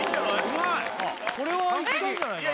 うまい完璧これはいったんじゃないかな